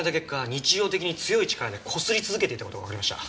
日常的に強い力で擦り続けていた事がわかりました。